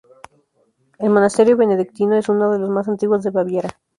El monasterio benedictino es uno de los más antiguos de Baviera.